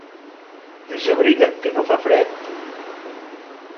Desabriga't, que no fa fred.